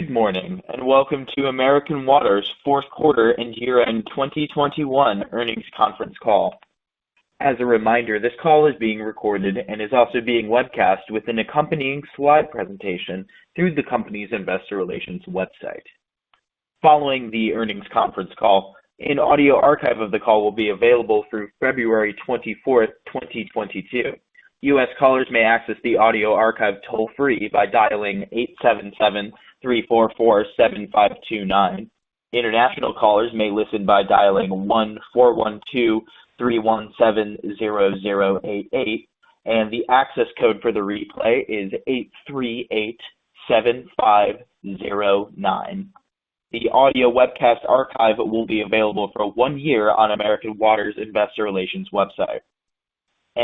Good morning, and welcome to American Water's fourth quarter and year-end 2021 earnings conference call. As a reminder, this call is being recorded and is also being webcast with an accompanying slide presentation through the company's investor relations website. Following the earnings conference call, an audio archive of the call will be available through February 24, 2022. U.S. callers may access the audio archive toll-free by dialing 877-344-7529. International callers may listen by dialing 1-412-317-0088, and the access code for the replay is 838-7509. The audio webcast archive will be available for one year on American Water's investor relations website.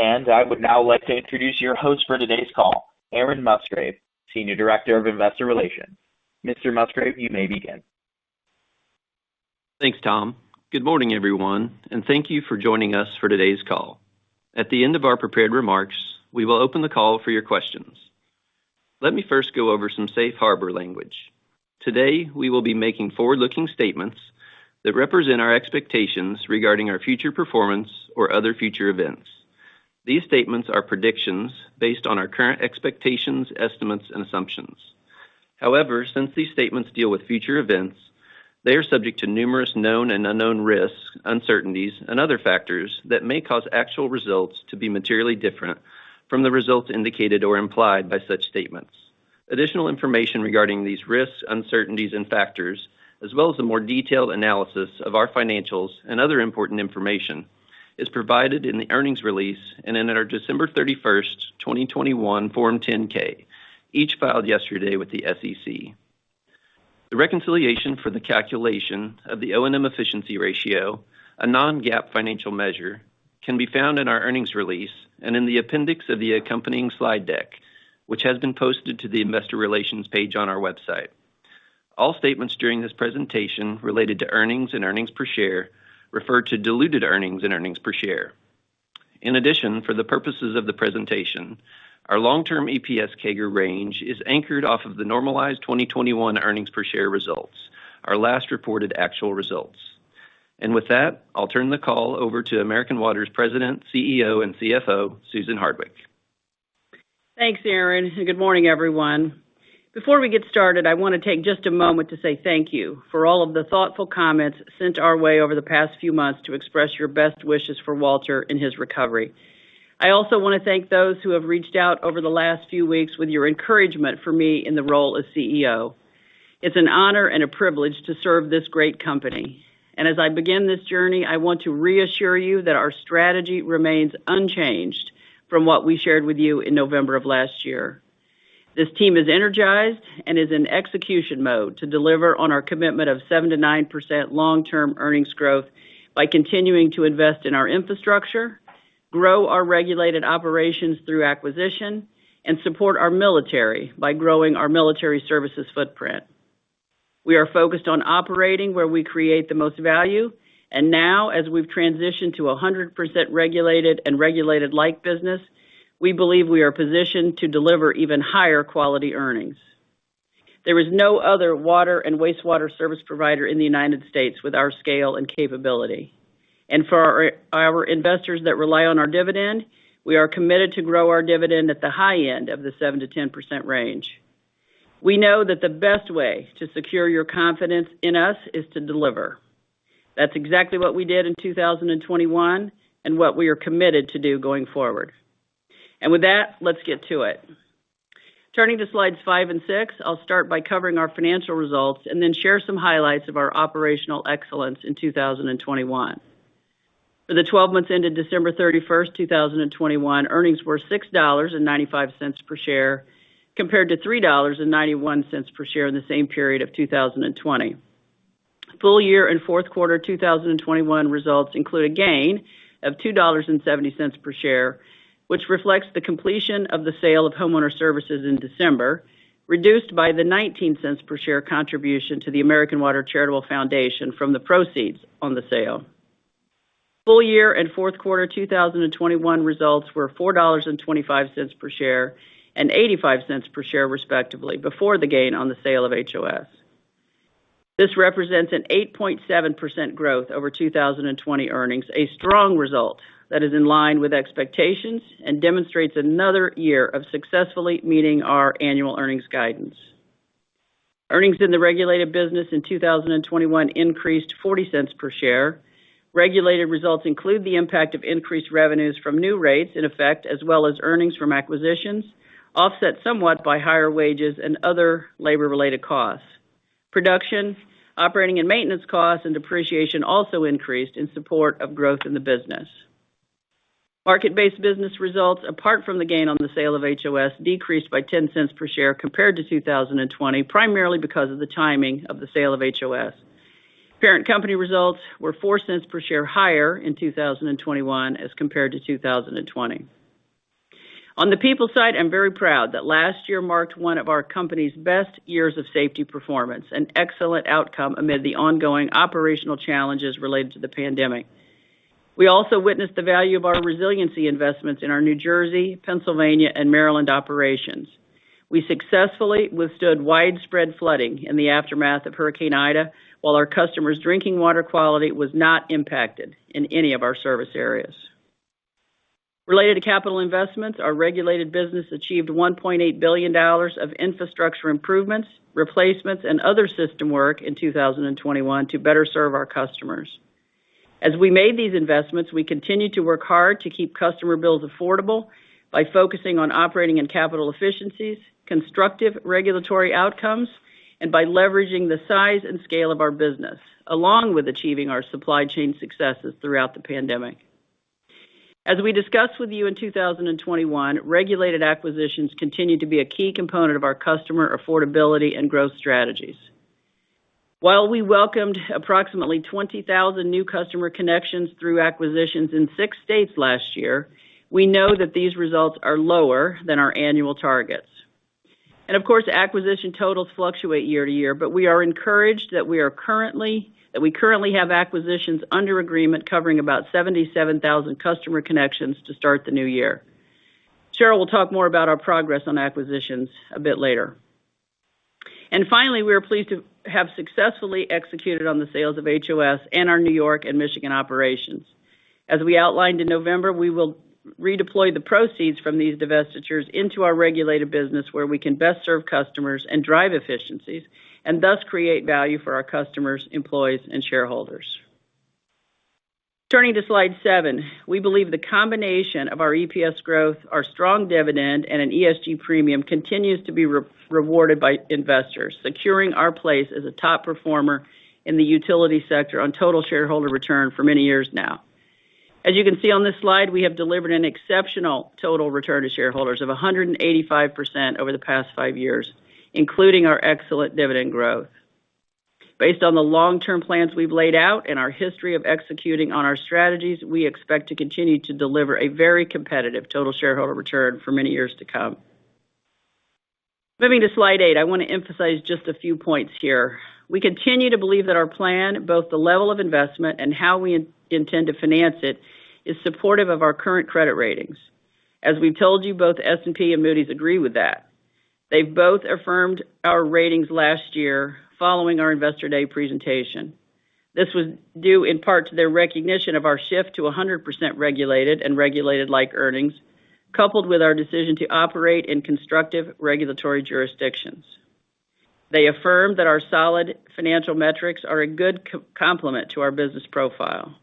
I would now like to introduce your host for today's call, Aaron Musgrave, Senior Director of Investor Relations. Mr. Musgrave, you may begin. Thanks, Tom. Good morning, everyone, and thank you for joining us for today's call. At the end of our prepared remarks, we will open the call for your questions. Let me first go over some safe harbor language. Today, we will be making forward-looking statements that represent our expectations regarding our future performance or other future events. These statements are predictions based on our current expectations, estimates, and assumptions. However, since these statements deal with future events, they are subject to numerous known and unknown risks, uncertainties, and other factors that may cause actual results to be materially different from the results indicated or implied by such statements. Additional information regarding these risks, uncertainties, and factors, as well as a more detailed analysis of our financials and other important information, is provided in the earnings release and in our December 31, 2021 Form 10-K, each filed yesterday with the SEC. The reconciliation for the calculation of the O&M efficiency ratio, a non-GAAP financial measure, can be found in our earnings release and in the appendix of the accompanying slide deck, which has been posted to the investor relations page on our website. All statements during this presentation related to earnings and earnings per share refer to diluted earnings and earnings per share. In addition, for the purposes of the presentation, our long-term EPS CAGR range is anchored off of the normalized 2021 earnings per share results, our last reported actual results. With that, I'll turn the call over to American Water's President, CEO, and CFO, Susan Hardwick. Thanks, Aaron, and good morning, everyone. Before we get started, I wanna take just a moment to say thank you for all of the thoughtful comments sent our way over the past few months to express your best wishes for Walter in his recovery. I also wanna thank those who have reached out over the last few weeks with your encouragement for me in the role as CEO. It's an honor and a privilege to serve this great company. As I begin this journey, I want to reassure you that our strategy remains unchanged from what we shared with you in November of last year. This team is energized and is in execution mode to deliver on our commitment of 7%-9% long-term earnings growth by continuing to invest in our infrastructure, grow our regulated operations through acquisition, and support our military by growing our military services footprint. We are focused on operating where we create the most value, and now, as we've transitioned to 100% regulated and regulated like business, we believe we are positioned to deliver even higher quality earnings. There is no other water and wastewater service provider in the United States with our scale and capability. For our investors that rely on our dividend, we are committed to grow our dividend at the high end of the 7%-10% range. We know that the best way to secure your confidence in us is to deliver. That's exactly what we did in 2021 and what we are committed to do going forward. With that, let's get to it. Turning to slides five and six, I'll start by covering our financial results and then share some highlights of our operational excellence in 2021. For the 12 months ended December 31, 2021, earnings were $6.95 per share, compared to $3.91 per share in the same period of 2020. Full year and fourth quarter 2021 results include a gain of $2.70 per share, which reflects the completion of the sale of Homeowner Services in December, reduced by the $0.19 per share contribution to the American Water Charitable Foundation from the proceeds on the sale. Full year and fourth quarter 2021 results were $4.25 per share and $0.85 per share respectively before the gain on the sale of HOS. This represents an 8.7% growth over 2020 earnings, a strong result that is in line with expectations and demonstrates another year of successfully meeting our annual earnings guidance. Earnings in the regulated business in 2021 increased $0.40 per share. Regulated results include the impact of increased revenues from new rates in effect, as well as earnings from acquisitions, offset somewhat by higher wages and other labor-related costs. Production, operating and maintenance costs, and depreciation also increased in support of growth in the business. Market-based business results, apart from the gain on the sale of HOS, decreased by $0.10 per share compared to 2020, primarily because of the timing of the sale of HOS. Parent company results were $0.04 per share higher in 2021 as compared to 2020. On the people side, I'm very proud that last year marked one of our company's best years of safety performance, an excellent outcome amid the ongoing operational challenges related to the pandemic. We also witnessed the value of our resiliency investments in our New Jersey, Pennsylvania, and Maryland operations. We successfully withstood widespread flooding in the aftermath of Hurricane Ida, while our customers' drinking water quality was not impacted in any of our service areas. Related to capital investments, our regulated business achieved $1.8 billion of infrastructure improvements, replacements, and other system work in 2021 to better serve our customers. As we made these investments, we continued to work hard to keep customer bills affordable by focusing on operating and capital efficiencies, constructive regulatory outcomes, and by leveraging the size and scale of our business, along with achieving our supply chain successes throughout the pandemic. As we discussed with you in 2021, regulated acquisitions continue to be a key component of our customer affordability and growth strategies. While we welcomed approximately 20,000 new customer connections through acquisitions in six states last year, we know that these results are lower than our annual targets. Of course, acquisition totals fluctuate year-to-year, but we are encouraged that we currently have acquisitions under agreement covering about 77,000 customer connections to start the new year. Cheryl will talk more about our progress on acquisitions a bit later. Finally, we are pleased to have successfully executed on the sales of HOS and our New York and Michigan operations. As we outlined in November, we will redeploy the proceeds from these divestitures into our regulated business where we can best serve customers and drive efficiencies, and thus create value for our customers, employees, and shareholders. Turning to slide seven. We believe the combination of our EPS growth, our strong dividend, and an ESG premium continues to be rewarded by investors, securing our place as a top performer in the utility sector on total shareholder return for many years now. As you can see on this slide, we have delivered an exceptional total return to shareholders of 185% over the past five years, including our excellent dividend growth. Based on the long-term plans we've laid out and our history of executing on our strategies, we expect to continue to deliver a very competitive total shareholder return for many years to come. Moving to slide eight, I wanna emphasize just a few points here. We continue to believe that our plan, both the level of investment and how we intend to finance it, is supportive of our current credit ratings. As we've told you, both S&P and Moody's agree with that. They've both affirmed our ratings last year following our Investor Day presentation. This was due in part to their recognition of our shift to 100% regulated and regulated like earnings, coupled with our decision to operate in constructive regulatory jurisdictions. They affirm that our solid financial metrics are a good complement to our business profile.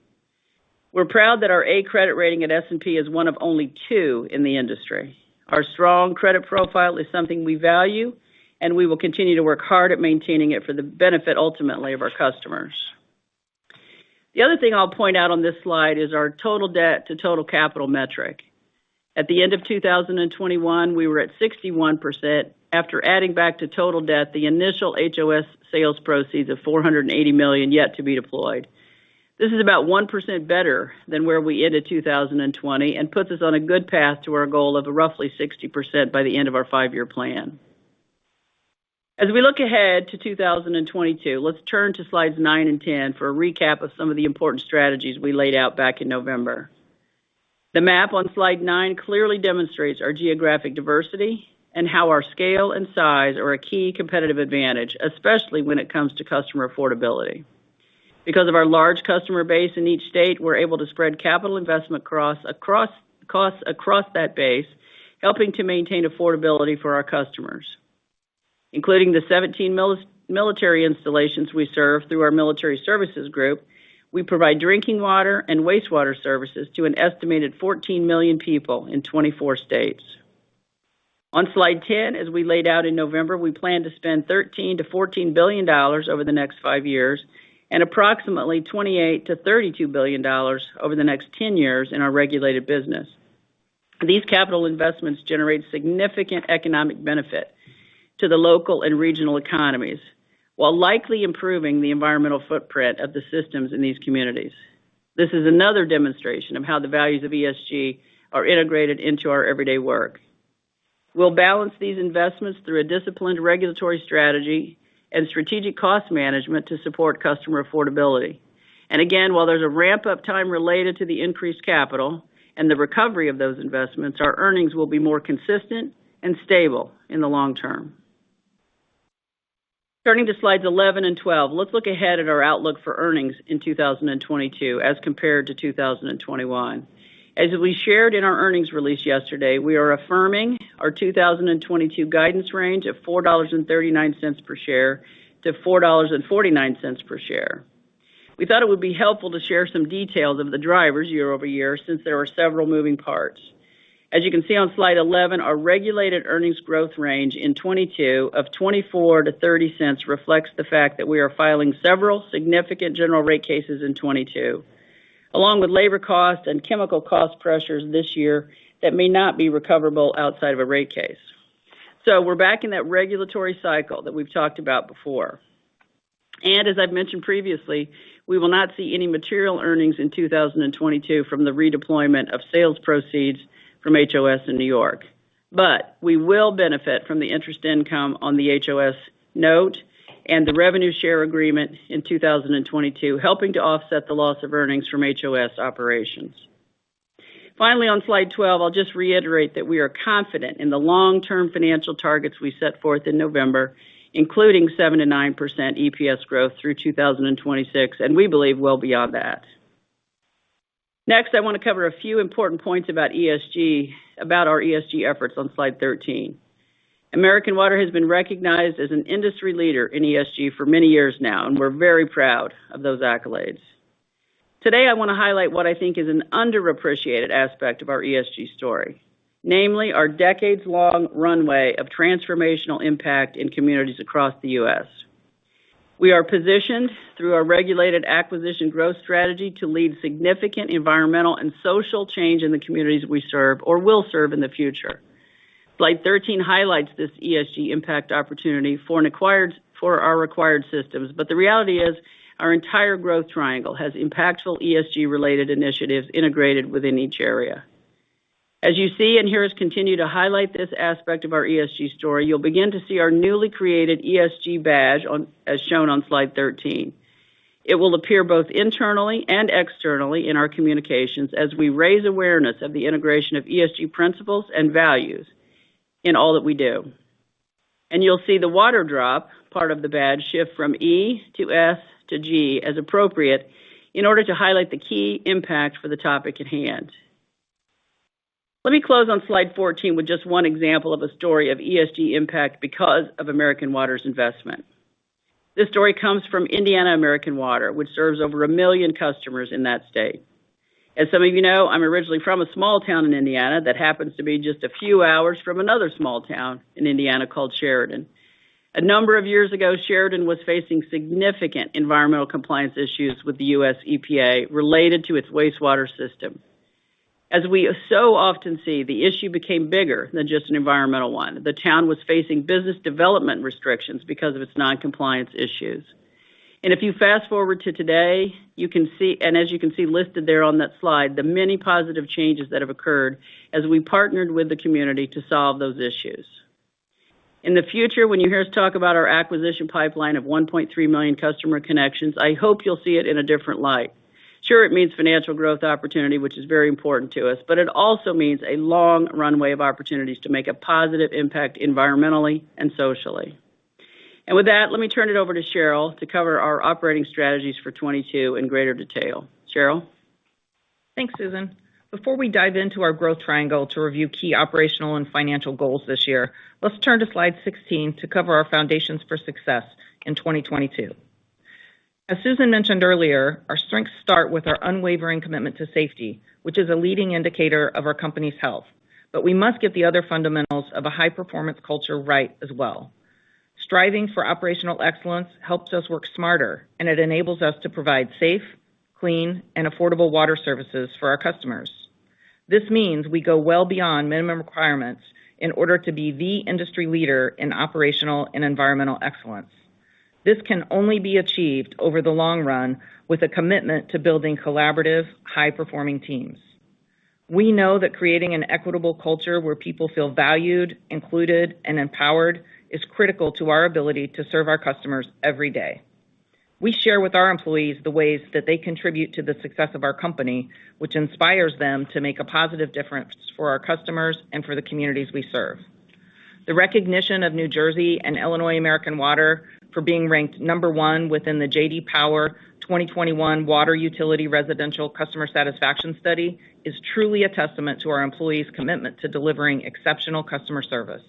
We're proud that our A credit rating at S&P is one of only two in the industry. Our strong credit profile is something we value, and we will continue to work hard at maintaining it for the benefit ultimately of our customers. The other thing I'll point out on this slide is our total debt to total capital metric. At the end of 2021, we were at 61% after adding back to total debt the initial HOS sales proceeds of $480 million yet to be deployed. This is about 1% better than where we ended 2020 and puts us on a good path to our goal of roughly 60% by the end of our five-year plan. As we look ahead to 2022, let's turn to slides nine and 10 for a recap of some of the important strategies we laid out back in November. The map on slide nine clearly demonstrates our geographic diversity and how our scale and size are a key competitive advantage, especially when it comes to customer affordability. Because of our large customer base in each state, we're able to spread capital investment costs across that base, helping to maintain affordability for our customers. Including the 17 military installations we serve through our Military Services Group, we provide drinking water and wastewater services to an estimated 14 million people in 24 states. On slide 10, as we laid out in November, we plan to spend $13 billion-$14 billion over the next five years and approximately $28 billion-$32 billion over the next 10 years in our regulated business. These capital investments generate significant economic benefit to the local and regional economies, while likely improving the environmental footprint of the systems in these communities. This is another demonstration of how the values of ESG are integrated into our everyday work. We'll balance these investments through a disciplined regulatory strategy and strategic cost management to support customer affordability. Again, while there's a ramp-up time related to the increased capital and the recovery of those investments, our earnings will be more consistent and stable in the long term. Turning to slides 11 and 12. Let's look ahead at our outlook for earnings in 2022 as compared to 2021. As we shared in our earnings release yesterday, we are affirming our 2022 guidance range of $4.39 per share to $4.49 per share. We thought it would be helpful to share some details of the drivers year-over-year since there are several moving parts. As you can see on slide 11, our regulated earnings growth range in 2022 of 24-30 cents reflects the fact that we are filing several significant general rate cases in 2022, along with labor costs and chemical cost pressures this year that may not be recoverable outside of a rate case. We're back in that regulatory cycle that we've talked about before. As I've mentioned previously, we will not see any material earnings in 2022 from the redeployment of sales proceeds from HOS in New York. We will benefit from the interest income on the HOS note and the revenue share agreement in 2022, helping to offset the loss of earnings from HOS operations. Finally, on slide 12, I'll just reiterate that we are confident in the long-term financial targets we set forth in November, including 7%-9% EPS growth through 2026, and we believe well beyond that. Next, I want to cover a few important points about ESG, about our ESG efforts on slide 13. American Water has been recognized as an industry leader in ESG for many years now, and we're very proud of those accolades. Today, I want to highlight what I think is an underappreciated aspect of our ESG story, namely, our decades-long runway of transformational impact in communities across the U.S. We are positioned through our regulated acquisition growth strategy to lead significant environmental and social change in the communities we serve or will serve in the future. Slide 13 highlights this ESG impact opportunity for our acquired systems. The reality is, our entire growth triangle has impactful ESG-related initiatives integrated within each area. As you see and hear us continue to highlight this aspect of our ESG story, you'll begin to see our newly created ESG badge on—as shown on slide 13. It will appear both internally and externally in our communications as we raise awareness of the integration of ESG principles and values in all that we do. You'll see the water drop part of the badge shift from E to S to G as appropriate in order to highlight the key impact for the topic at hand. Let me close on slide 14 with just one example of a story of ESG impact because of American Water's investment. This story comes from Indiana American Water, which serves over a million customers in that state. As some of you know, I'm originally from a small town in Indiana that happens to be just a few hours from another small town in Indiana called Sheridan. A number of years ago, Sheridan was facing significant environmental compliance issues with the U.S. EPA related to its wastewater system. As we so often see, the issue became bigger than just an environmental one. The town was facing business development restrictions because of its non-compliance issues. If you fast-forward to today, you can see, and as you can see listed there on that slide, the many positive changes that have occurred as we partnered with the community to solve those issues. In the future, when you hear us talk about our acquisition pipeline of 1.3 million customer connections, I hope you'll see it in a different light. Sure, it means financial growth opportunity, which is very important to us, but it also means a long runway of opportunities to make a positive impact environmentally and socially. With that, let me turn it over to Cheryl to cover our operating strategies for 2022 in greater detail. Cheryl. Thanks, Susan. Before we dive into our growth triangle to review key operational and financial goals this year, let's turn to slide 16 to cover our foundations for success in 2022. As Susan mentioned earlier, our strengths start with our unwavering commitment to safety, which is a leading indicator of our company's health. We must get the other fundamentals of a high-performance culture right as well. Striving for operational excellence helps us work smarter, and it enables us to provide safe, clean, and affordable water services for our customers. This means we go well beyond minimum requirements in order to be the industry leader in operational and environmental excellence. This can only be achieved over the long run with a commitment to building collaborative, high-performing teams. We know that creating an equitable culture where people feel valued, included, and empowered is critical to our ability to serve our customers every day. We share with our employees the ways that they contribute to the success of our company, which inspires them to make a positive difference for our customers and for the communities we serve. The recognition of New Jersey American Water and Illinois American Water for being ranked number one within the J.D. Power 2021 U.S. Water Utility Residential Customer Satisfaction Study is truly a testament to our employees' commitment to delivering exceptional customer service.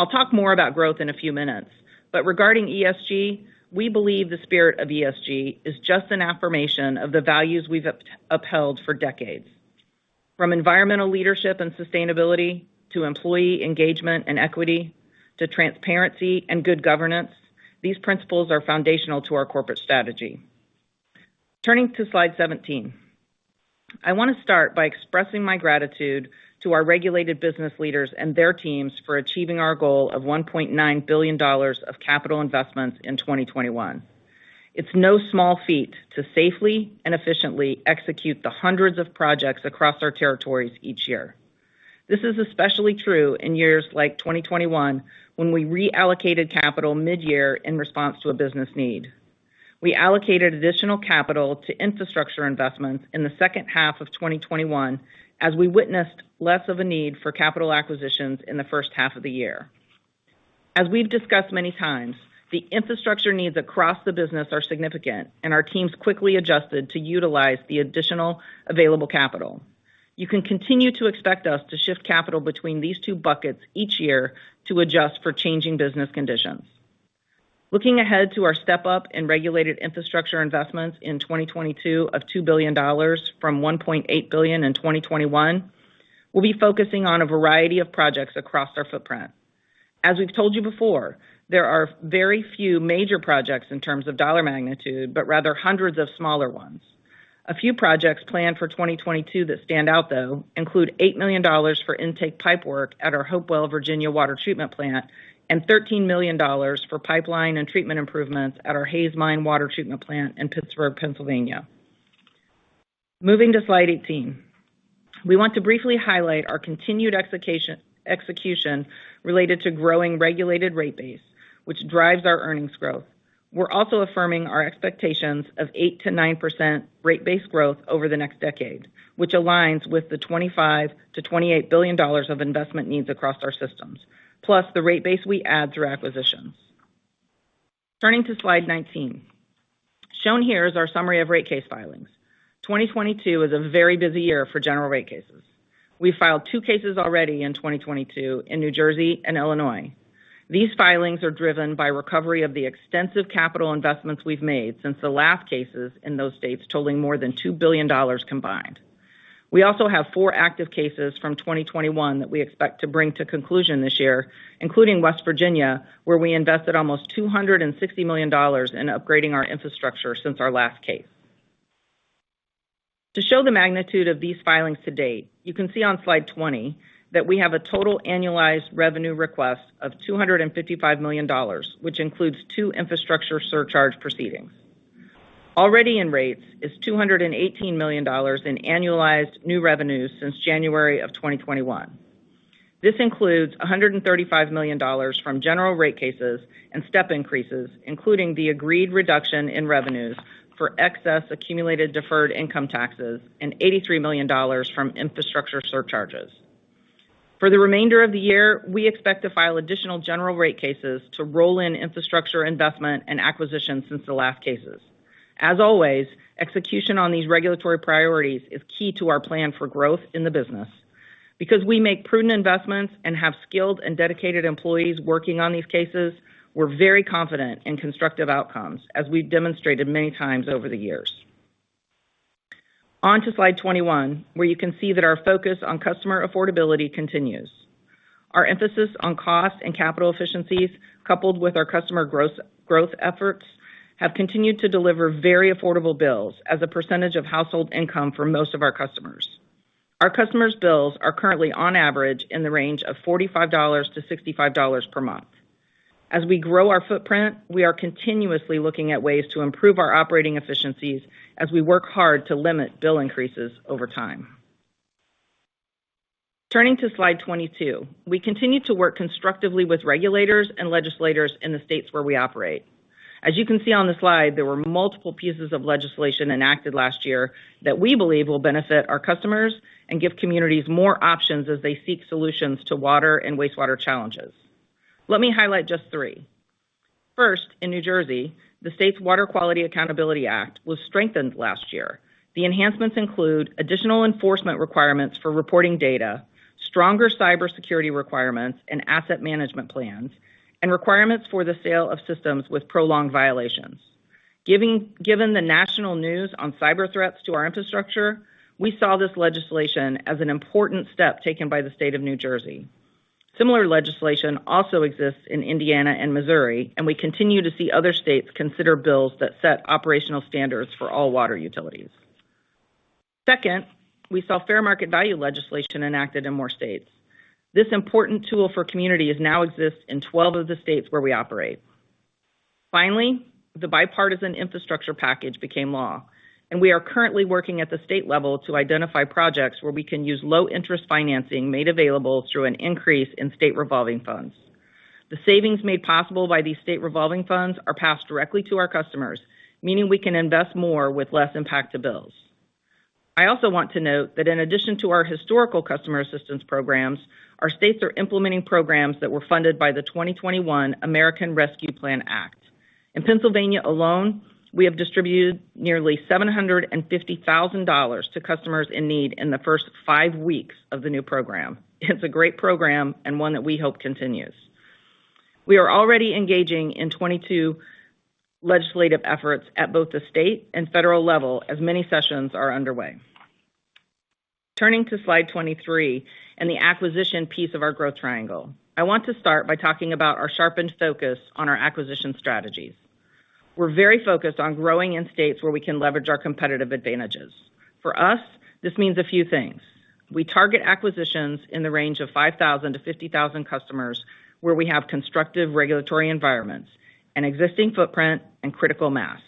I'll talk more about growth in a few minutes, but regarding ESG, we believe the spirit of ESG is just an affirmation of the values we've upheld for decades. From environmental leadership and sustainability to employee engagement and equity to transparency and good governance, these principles are foundational to our corporate strategy. Turning to slide 17. I want to start by expressing my gratitude to our regulated business leaders and their teams for achieving our goal of $1.9 billion of capital investments in 2021. It's no small feat to safely and efficiently execute the hundreds of projects across our territories each year. This is especially true in years like 2021, when we reallocated capital mid-year in response to a business need. We allocated additional capital to infrastructure investments in the second half of 2021, as we witnessed less of a need for capital acquisitions in the first half of the year. As we've discussed many times, the infrastructure needs across the business are significant, and our teams quickly adjusted to utilize the additional available capital. You can continue to expect us to shift capital between these two buckets each year to adjust for changing business conditions. Looking ahead to our step-up in regulated infrastructure investments in 2022 of $2 billion from $1.8 billion in 2021, we'll be focusing on a variety of projects across our footprint. As we've told you before, there are very few major projects in terms of dollar magnitude, but rather hundreds of smaller ones. A few projects planned for 2022 that stand out, though, include $8 million for intake pipe work at our Hopewell, Virginia water treatment plant and $13 million for pipeline and treatment improvements at our Hays Mine Water Treatment Plant in Pittsburgh, Pennsylvania. Moving to slide 18. We want to briefly highlight our continued execution related to growing regulated rate base, which drives our earnings growth. We're also affirming our expectations of 8%-9% rate base growth over the next decade, which aligns with the $25 billion-$28 billion of investment needs across our systems, plus the rate base we add through acquisitions. Turning to slide 19. Shown here is our summary of rate case filings. 2022 is a very busy year for general rate cases. We filed two cases already in 2022 in New Jersey and Illinois. These filings are driven by recovery of the extensive capital investments we've made since the last cases in those states totaling more than $2 billion combined. We also have four active cases from 2021 that we expect to bring to conclusion this year, including West Virginia, where we invested almost $260 million in upgrading our infrastructure since our last case. To show the magnitude of these filings to date, you can see on slide 20 that we have a total annualized revenue request of $255 million, which includes two infrastructure surcharge proceedings. Already in rates is $218 million in annualized new revenues since January 2021. This includes $135 million from general rate cases and step increases, including the agreed reduction in revenues for excess accumulated deferred income taxes and $83 million from infrastructure surcharges. For the remainder of the year, we expect to file additional general rate cases to roll in infrastructure investment and acquisitions since the last cases. As always, execution on these regulatory priorities is key to our plan for growth in the business. Because we make prudent investments and have skilled and dedicated employees working on these cases, we're very confident in constructive outcomes, as we've demonstrated many times over the years. On to slide 21, where you can see that our focus on customer affordability continues. Our emphasis on cost and capital efficiencies, coupled with our customer growth efforts, have continued to deliver very affordable bills as a percentage of household income for most of our customers. Our customers' bills are currently on average in the range of $45-$65 per month. As we grow our footprint, we are continuously looking at ways to improve our operating efficiencies as we work hard to limit bill increases over time. Turning to slide 22. We continue to work constructively with regulators and legislators in the states where we operate. As you can see on the slide, there were multiple pieces of legislation enacted last year that we believe will benefit our customers and give communities more options as they seek solutions to water and wastewater challenges. Let me highlight just three. First, in New Jersey, the state's Water Quality Accountability Act was strengthened last year. The enhancements include additional enforcement requirements for reporting data, stronger cybersecurity requirements and asset management plans, and requirements for the sale of systems with prolonged violations. Given the national news on cyber threats to our infrastructure, we saw this legislation as an important step taken by the state of New Jersey. Similar legislation also exists in Indiana and Missouri, and we continue to see other states consider bills that set operational standards for all water utilities. Second, we saw fair market value legislation enacted in more states. This important tool for community now exists in 12 of the states where we operate. The Bipartisan Infrastructure Law became law, and we are currently working at the state level to identify projects where we can use low interest financing made available through an increase in State Revolving Funds. The savings made possible by these State Revolving Funds are passed directly to our customers, meaning we can invest more with less impact to bills. I also want to note that in addition to our historical customer assistance programs, our states are implementing programs that were funded by the 2021 American Rescue Plan Act. In Pennsylvania alone, we have distributed nearly $750,000 to customers in need in the first 5 weeks of the new program. It's a great program and one that we hope continues. We are already engaging in 22 legislative efforts at both the state and federal level as many sessions are underway. Turning to slide 23 and the acquisition piece of our growth triangle. I want to start by talking about our sharpened focus on our acquisition strategies. We're very focused on growing in states where we can leverage our competitive advantages. For us, this means a few things. We target acquisitions in the range of 5,000-50,000 customers where we have constructive regulatory environments, an existing footprint, and critical mass.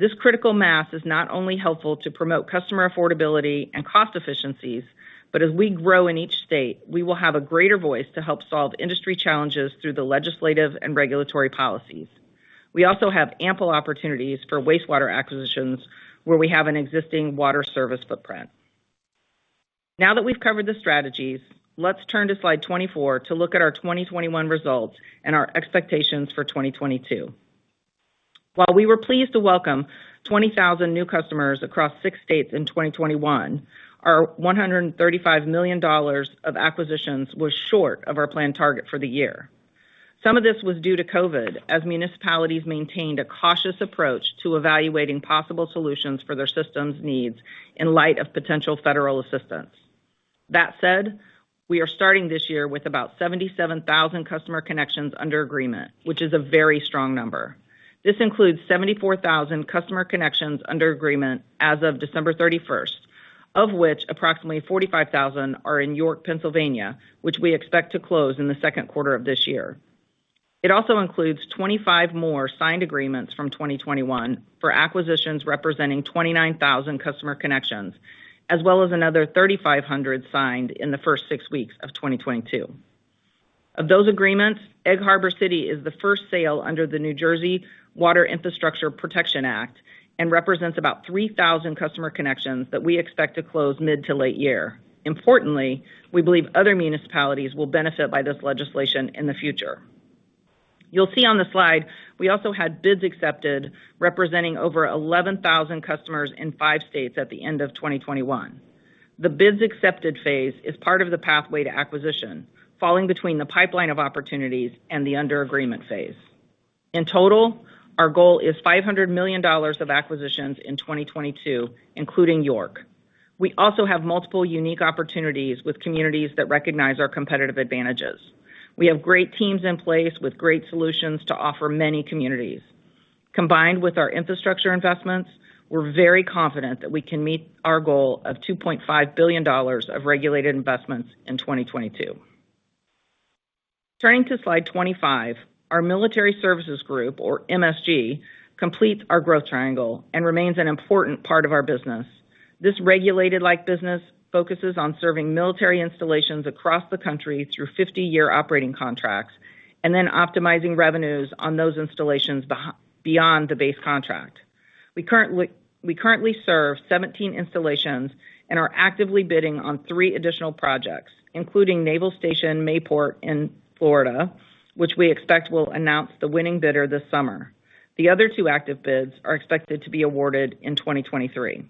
This critical mass is not only helpful to promote customer affordability and cost efficiencies, but as we grow in each state, we will have a greater voice to help solve industry challenges through the legislative and regulatory policies. We also have ample opportunities for wastewater acquisitions where we have an existing water service footprint. Now that we've covered the strategies, let's turn to slide 24 to look at our 2021 results and our expectations for 2022. While we were pleased to welcome 20,000 new customers across six states in 2021, our $135 million of acquisitions was short of our planned target for the year. Some of this was due to COVID, as municipalities maintained a cautious approach to evaluating possible solutions for their systems needs in light of potential federal assistance. That said, we are starting this year with about 77,000 customer connections under agreement, which is a very strong number. This includes 74,000 customer connections under agreement as of December 31, of which approximately 45,000 are in York, Pennsylvania, which we expect to close in the second quarter of this year. It also includes 25 more signed agreements from 2021 for acquisitions representing 29,000 customer connections, as well as another 3,500 signed in the first six weeks of 2022. Of those agreements, Egg Harbor City is the first sale under the New Jersey Water Infrastructure Protection Act and represents about 3,000 customer connections that we expect to close mid to late year. Importantly, we believe other municipalities will benefit by this legislation in the future. You'll see on the slide we also had bids accepted representing over 11,000 customers in five states at the end of 2021. The bids accepted phase is part of the pathway to acquisition, falling between the pipeline of opportunities and the under agreement phase. In total, our goal is $500 million of acquisitions in 2022, including York. We also have multiple unique opportunities with communities that recognize our competitive advantages. We have great teams in place with great solutions to offer many communities. Combined with our infrastructure investments, we're very confident that we can meet our goal of $2.5 billion of regulated investments in 2022. Turning to slide 25. Our Military Services Group or MSG completes our growth triangle and remains an important part of our business. This regulated-like business focuses on serving military installations across the country through 50-year operating contracts and then optimizing revenues on those installations beyond the base contract. We currently serve 17 installations and are actively bidding on three additional projects, including Naval Station Mayport in Florida, which we expect will announce the winning bidder this summer. The other two active bids are expected to be awarded in 2023.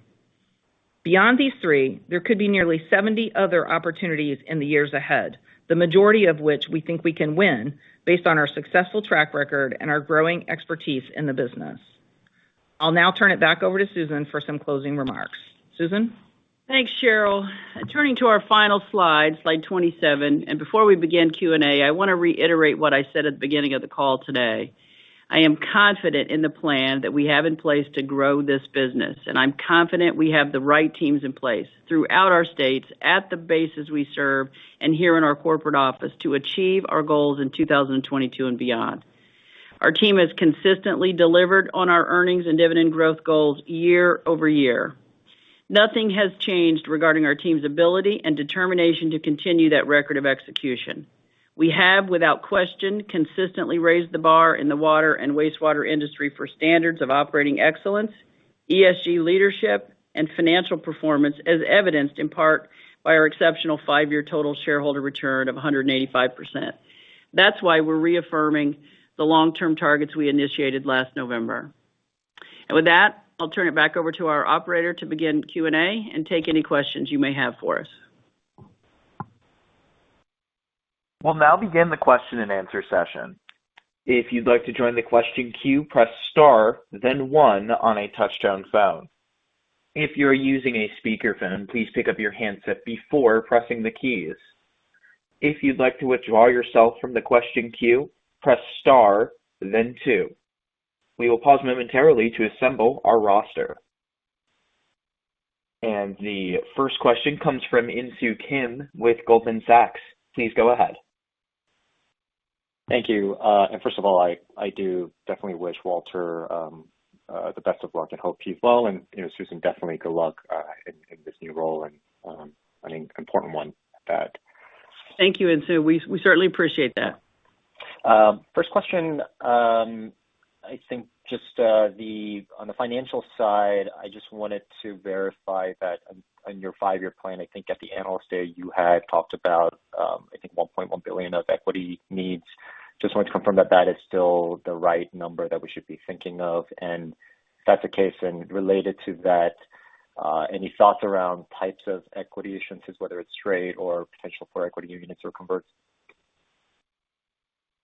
Beyond these three, there could be nearly 70 other opportunities in the years ahead, the majority of which we think we can win based on our successful track record and our growing expertise in the business. I'll now turn it back over to Susan for some closing remarks. Susan? Thanks, Cheryl. Turning to our final slide 27, before we begin Q&A, I want to reiterate what I said at the beginning of the call today. I am confident in the plan that we have in place to grow this business, and I'm confident we have the right teams in place throughout our states at the bases we serve and here in our corporate office to achieve our goals in 2022 and beyond. Our team has consistently delivered on our earnings and dividend growth goals year-over-year. Nothing has changed regarding our team's ability and determination to continue that record of execution. We have, without question, consistently raised the bar in the water and wastewater industry for standards of operating excellence, ESG leadership, and financial performance, as evidenced in part by our exceptional five-year total shareholder return of 185%. That's why we're reaffirming the long-term targets we initiated last November. With that, I'll turn it back over to our operator to begin Q&A and take any questions you may have for us. We'll now begin the question and answer session. If you'd like to join the question queue, press star, then one on a touchtone phone. If you're using a speakerphone, please pick up your handset before pressing the keys. If you'd like to withdraw yourself from the question queue, press star, then two. We will pause momentarily to assemble our roster. The first question comes from Insoo Kim with Goldman Sachs. Please go ahead. Thank you. First of all, I do definitely wish Walter the best of luck and hope he's well, and you know, Susan, definitely good luck in this new role and an important one at that. Thank you, Insoo. We certainly appreciate that. First question, I think just on the financial side, I just wanted to verify that on your five-year plan, I think at the Analyst Day, you had talked about I think $1.1 billion of equity needs. Just wanted to confirm that that is still the right number that we should be thinking of. If that's the case, then related to that, any thoughts around types of equity issuance, whether it's trade or potential for equity units or converts?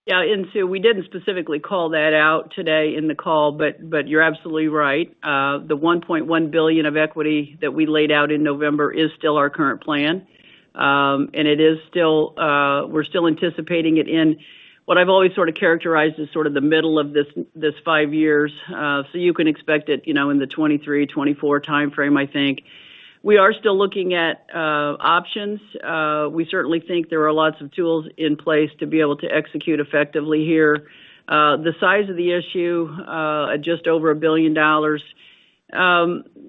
Yeah, Insoo, we didn't specifically call that out today in the call, but you're absolutely right. The $1.1 billion of equity that we laid out in November is still our current plan. And it is still, we're still anticipating it in what I've always sort of characterized as sort of the middle of this five years. So you can expect it, you know, in the 2023, 2024 timeframe, I think. We are still looking at options. We certainly think there are lots of tools in place to be able to execute effectively here. The size of the issue, at just over $1 billion,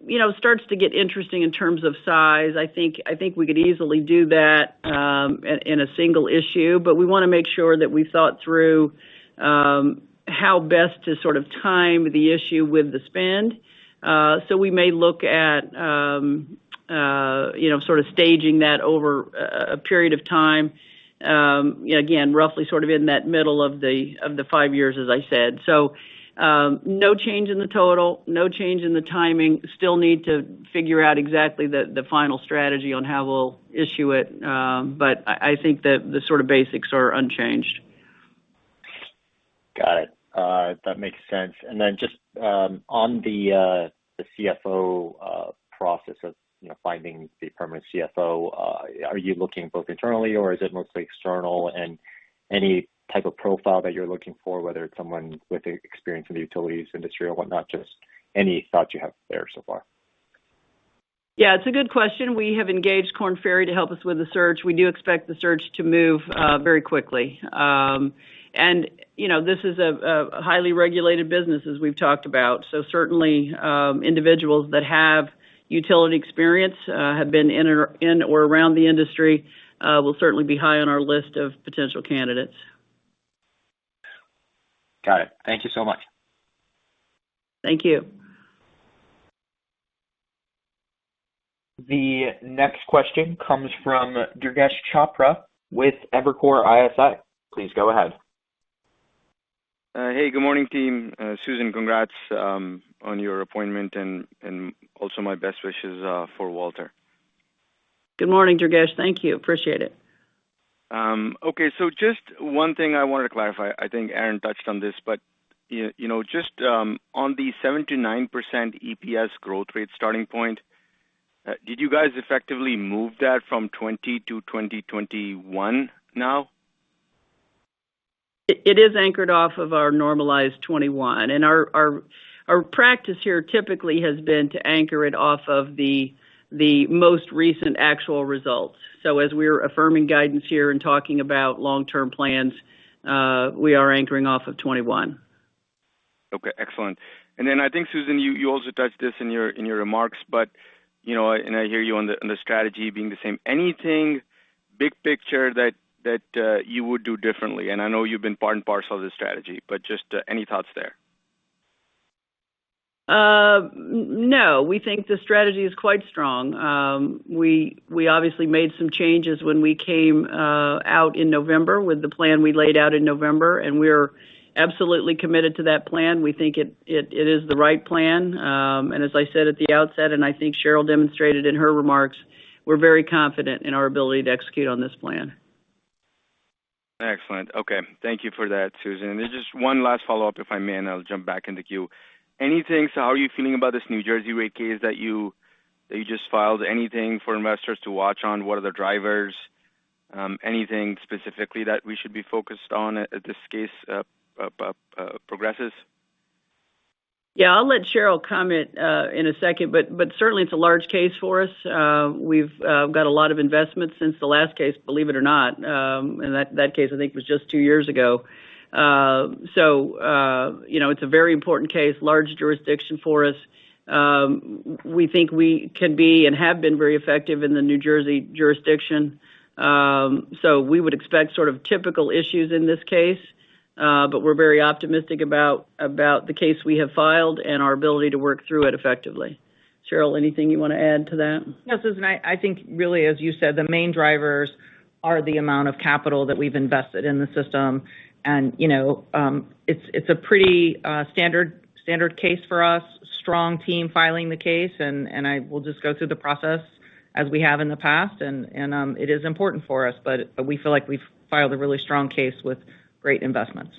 you know, starts to get interesting in terms of size. I think we could easily do that, in a single issue. We wanna make sure that we thought through how best to sort of time the issue with the spend. We may look at you know sort of staging that over a period of time, again, roughly sort of in that middle of the five years, as I said. No change in the total, no change in the timing. Still need to figure out exactly the final strategy on how we'll issue it. I think that the sort of basics are unchanged. Got it. That makes sense. Just on the CFO process of you know finding the permanent CFO are you looking both internally or is it mostly external? Any type of profile that you're looking for whether it's someone with experience in the utilities industry or whatnot just any thoughts you have there so far? Yeah, it's a good question. We have engaged Korn Ferry to help us with the search. We do expect the search to move very quickly. You know, this is a highly regulated business, as we've talked about, so certainly individuals that have utility experience have been in or around the industry will certainly be high on our list of potential candidates. Got it. Thank you so much. Thank you. The next question comes from Durgesh Chopra with Evercore ISI. Please go ahead. Hey, good morning, team. Susan, congrats on your appointment and also my best wishes for Walter. Good morning, Durgesh. Thank you. Appreciate it. Okay. Just one thing I wanted to clarify. I think Aaron touched on this, but you know, just on the 7%-9% EPS growth rate starting point, did you guys effectively move that from 2020 to 2021 now? It is anchored off of our normalized 2021. Our practice here typically has been to anchor it off of the most recent actual results. As we're affirming guidance here and talking about long-term plans, we are anchoring off of 2021. Okay, excellent. I think, Susan, you also touched this in your remarks, but you know, I hear you on the strategy being the same. Anything big picture that you would do differently? I know you've been part and parcel of the strategy, but just any thoughts there? No. We think the strategy is quite strong. We obviously made some changes when we came out in November with the plan we laid out in November, and we're absolutely committed to that plan. We think it is the right plan. As I said at the outset, I think Cheryl demonstrated in her remarks, we're very confident in our ability to execute on this plan. Excellent. Okay. Thank you for that, Susan. Just one last follow-up, if I may, and I'll jump back in the queue. How are you feeling about this New Jersey rate case that you just filed? Anything for investors to watch on? What are the drivers? Anything specifically that we should be focused on as this case progresses? Yeah, I'll let Cheryl comment in a second, but certainly it's a large case for us. We've got a lot of investments since the last case, believe it or not. That case I think was just two years ago. You know, it's a very important case, large jurisdiction for us. We think we can be and have been very effective in the New Jersey jurisdiction. We would expect sort of typical issues in this case, but we're very optimistic about the case we have filed and our ability to work through it effectively. Cheryl, anything you want to add to that? Yeah, Susan, I think really, as you said, the main drivers are the amount of capital that we've invested in the system. You know, it's a pretty standard case for us. Strong team filing the case, and it is important for us, but we feel like we've filed a really strong case with great investments.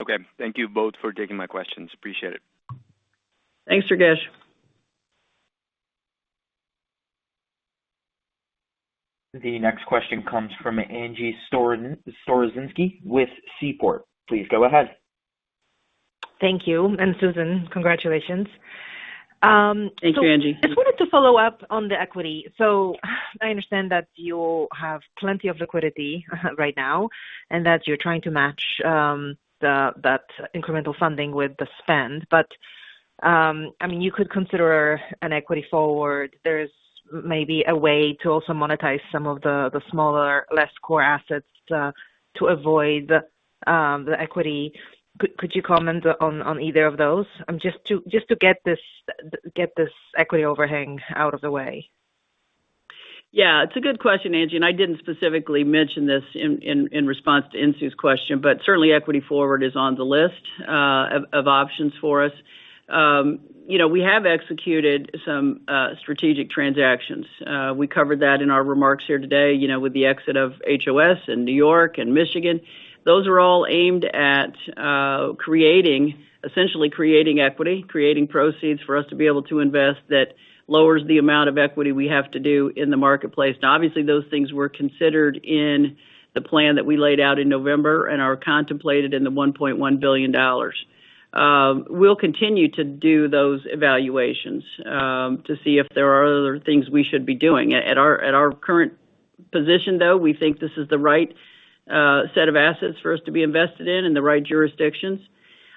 Okay. Thank you both for taking my questions. I appreciate it. Thanks, Durgesh. The next question comes from Angie Storozynski with Seaport. Please go ahead. Thank you. Susan, congratulations. Thank you, Angie. I just wanted to follow up on the equity. I understand that you have plenty of liquidity right now, and that you're trying to match that incremental funding with the spend. I mean, you could consider an equity forward. There's maybe a way to also monetize some of the smaller, less core assets to avoid the equity. Could you comment on either of those? Just to get this equity overhang out of the way. Yeah, it's a good question, Angie, and I didn't specifically mention this in response to Insoo's question, but certainly equity forward is on the list of options for us. You know, we have executed some strategic transactions. We covered that in our remarks here today, you know, with the exit of HOS in New York and Michigan. Those are all aimed at creating, essentially creating equity, creating proceeds for us to be able to invest that lowers the amount of equity we have to do in the marketplace. Now obviously, those things were considered in the plan that we laid out in November and are contemplated in the $1.1 billion. We'll continue to do those evaluations to see if there are other things we should be doing. At our current position, though, we think this is the right set of assets for us to be invested in and the right jurisdictions.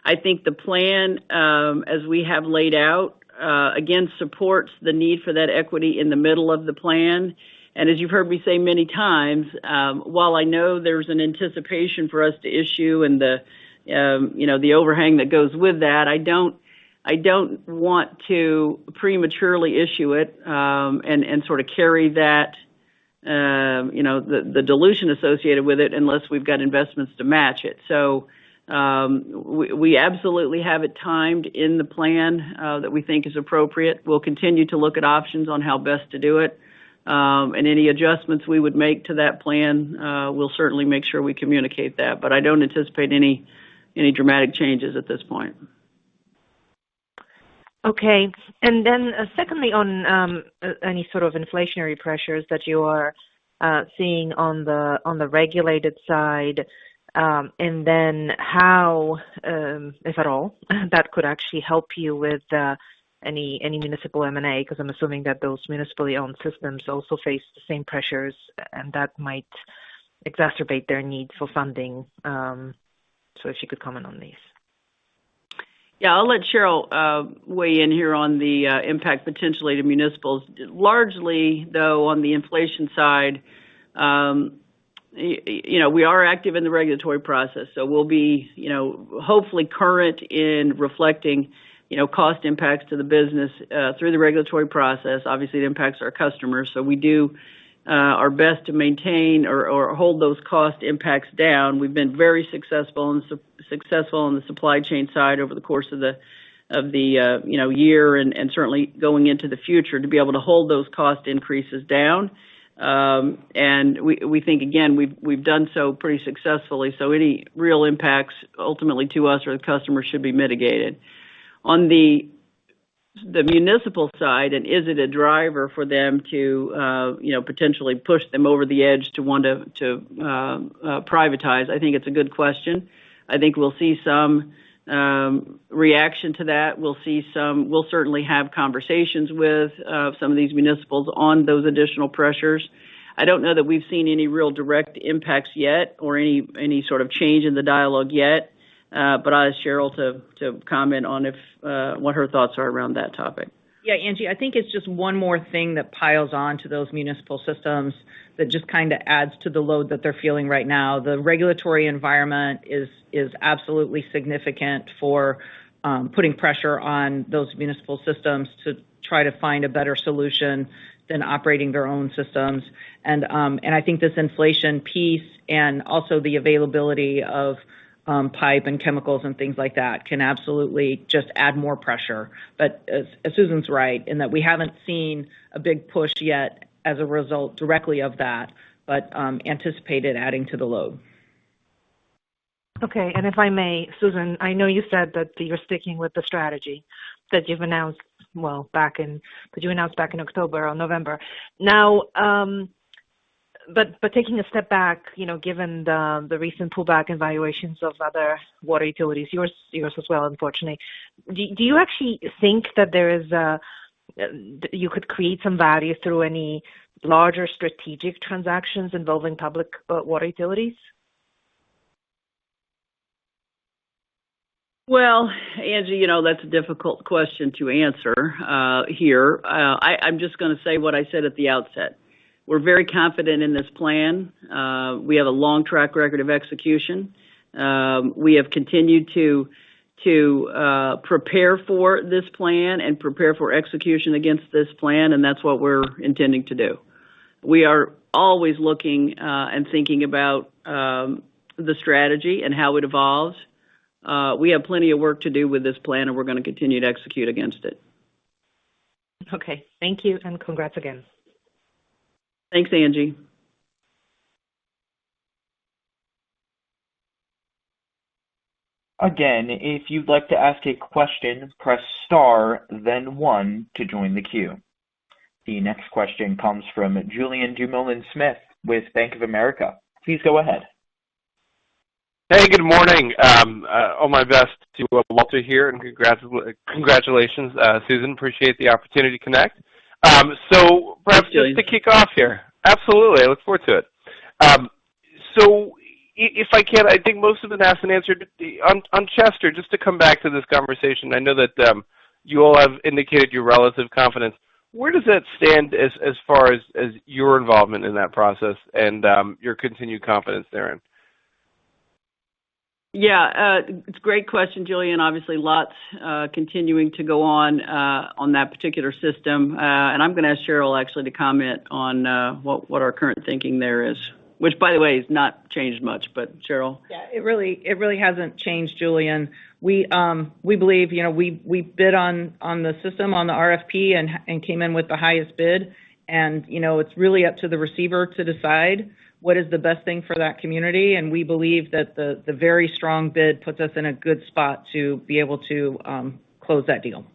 I think the plan, as we have laid out, again, supports the need for that equity in the middle of the plan. As you've heard me say many times, while I know there's an anticipation for us to issue and the you know the overhang that goes with that, I don't want to prematurely issue it and sort of carry that you know the dilution associated with it unless we've got investments to match it. We absolutely have it timed in the plan that we think is appropriate. We'll continue to look at options on how best to do it. Any adjustments we would make to that plan, we'll certainly make sure we communicate that. I don't anticipate any dramatic changes at this point. Secondly, on any sort of inflationary pressures that you are seeing on the regulated side, and then how, if at all, that could actually help you with any municipal M&A, 'cause I'm assuming that those municipally owned systems also face the same pressures and that might exacerbate their need for funding. If you could comment on these. Yeah, I'll let Cheryl weigh in here on the impact potentially to municipals. Largely, though, on the inflation side, you know, we are active in the regulatory process, so we'll be, you know, hopefully current in reflecting, you know, cost impacts to the business through the regulatory process. Obviously, it impacts our customers. We do our best to maintain or hold those cost impacts down. We've been very successful on the supply chain side over the course of the year and certainly going into the future to be able to hold those cost increases down. We think, again, we've done so pretty successfully, so any real impacts ultimately to us or the customers should be mitigated. On the municipal side, is it a driver for them to you know potentially push them over the edge to want to privatize? I think it's a good question. I think we'll see some reaction to that. We'll see some. We'll certainly have conversations with some of these municipals on those additional pressures. I don't know that we've seen any real direct impacts yet or any sort of change in the dialogue yet. I'll ask Cheryl to comment on if what her thoughts are around that topic. Yeah, Angie, I think it's just one more thing that piles on to those municipal systems that just kinda adds to the load that they're feeling right now. The regulatory environment is absolutely significant for putting pressure on those municipal systems to try to find a better solution than operating their own systems. I think this inflation piece and also the availability of pipe and chemicals and things like that can absolutely just add more pressure. As Susan's right, in that we haven't seen a big push yet as a result directly of that, but anticipated adding to the load. Okay. If I may, Susan, I know you said that you're sticking with the strategy that you announced back in October or November. Now, taking a step back, you know, given the recent pullback in valuations of other water utilities, yours as well, unfortunately, do you actually think you could create some value through any larger strategic transactions involving public water utilities? Well, Angie, you know, that's a difficult question to answer here. I'm just gonna say what I said at the outset. We're very confident in this plan. We have a long track record of execution. We have continued to prepare for this plan and prepare for execution against this plan, and that's what we're intending to do. We are always looking and thinking about the strategy and how it evolves. We have plenty of work to do with this plan, and we're gonna continue to execute against it. Okay. Thank you, and congrats again. Thanks, Angie. Again, if you'd like to ask a question, press star then one to join the queue. The next question comes from Julien Dumoulin-Smith with Bank of America. Please go ahead. Hey, good morning. All my best to Walter here, and congratulations, Susan. Appreciate the opportunity to connect. Perhaps just to kick off here. Thanks, Julien. Absolutely. I look forward to it. So if I can, I think most have been asked and answered. On Chester, just to come back to this conversation, I know that you all have indicated your relative confidence. Where does that stand as far as your involvement in that process and your continued confidence therein? Yeah. It's a great question, Julien. Obviously, lots continuing to go on on that particular system. I'm gonna ask Cheryl actually to comment on what our current thinking there is, which by the way, has not changed much, but Cheryl. Yeah. It really hasn't changed, Julian. We believe, you know, we bid on the system on the RFP and came in with the highest bid. You know, it's really up to the receiver to decide what is the best thing for that community, and we believe that the very strong bid puts us in a good spot to be able to close that deal.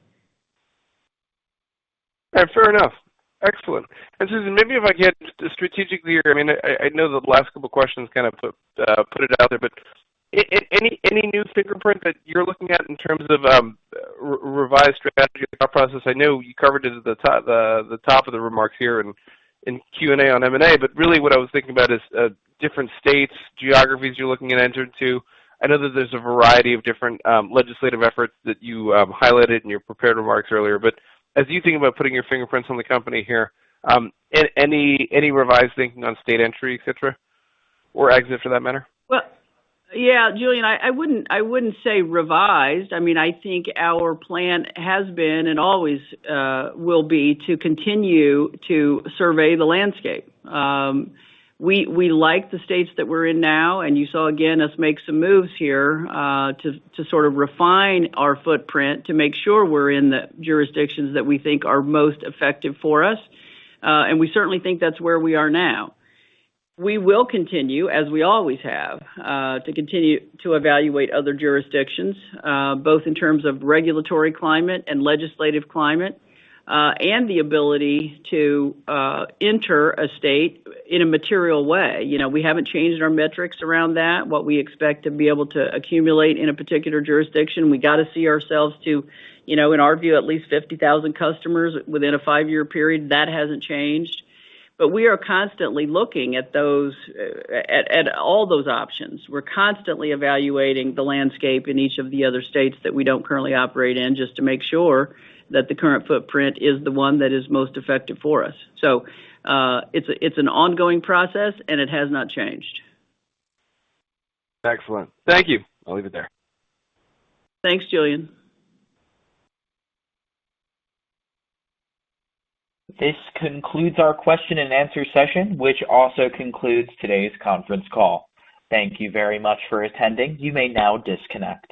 Fair enough. Excellent. Susan, maybe if I can strategically, I mean, I know the last couple of questions kind of put it out there, but any new fingerprint that you're looking at in terms of revised strategy or process? I know you covered it at the top of the remarks here in Q&A on M&A. Really what I was thinking about is different states, geographies you're looking at entering, too. I know that there's a variety of different legislative efforts that you highlighted in your prepared remarks earlier. As you think about putting your fingerprints on the company here, any revised thinking on state entry, et cetera, or exit for that matter? Well, yeah, Julian, I wouldn't say revised. I mean, I think our plan has been and always will be to continue to survey the landscape. We like the states that we're in now, and you saw again us make some moves here to sort of refine our footprint to make sure we're in the jurisdictions that we think are most effective for us. We certainly think that's where we are now. We will continue, as we always have, to continue to evaluate other jurisdictions both in terms of regulatory climate and legislative climate and the ability to enter a state in a material way. You know, we haven't changed our metrics around that, what we expect to be able to accumulate in a particular jurisdiction. We got to see ourselves to, you know, in our view, at least 50,000 customers within a five-year period. That hasn't changed. We are constantly looking at all those options. We're constantly evaluating the landscape in each of the other states that we don't currently operate in just to make sure that the current footprint is the one that is most effective for us. It's an ongoing process, and it has not changed. Excellent. Thank you. I'll leave it there. Thanks, Julien. This concludes our question and answer session, which also concludes today's conference call. Thank you very much for attending. You may now disconnect.